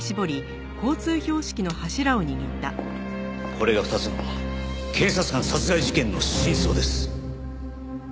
これが２つの警察官殺害事件の真相です。